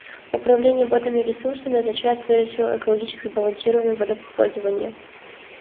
Управление водными ресурсами означает, прежде всего, экологически сбалансированное водопользование.